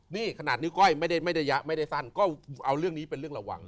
นี่ขนาดนิ้วก้อยไม่ได้ยะไม่ได้สั้นก็เอาเรื่องนี้เป็นเรื่องระวัง